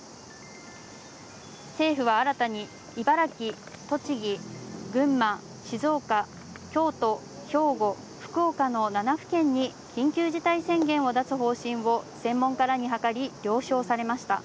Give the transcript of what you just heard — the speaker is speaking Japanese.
政府は新たに茨城、栃木、群馬、静岡、京都、兵庫、福岡の７府県に、緊急事態宣言を出す方針を専門家らに諮り、了承されました。